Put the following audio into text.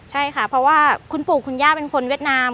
ใช่ค่ะเพราะว่าคุณปู่คุณย่าเป็นคนเวียดนาม